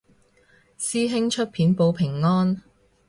師兄出片報平安